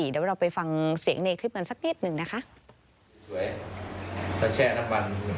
เดี๋ยวเราไปฟังเสียงในคลิปกันสักนิดหนึ่งนะคะ